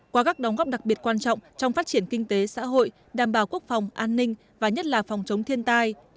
qua các đóng góp đặc biệt quan trọng trong phát triển kinh tế xã hội đảm bảo quốc phòng an ninh và nhất là phòng chống thiên tai